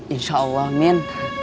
insya allah min